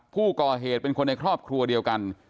ผู้ก่อเหตุเป็นคนในครอบครัวเดียวกัน